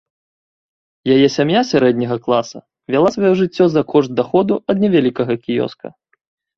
Яе сям'я з сярэдняга класа, вяла сваё жыццё за кошт даходу ад невялікага кіёска.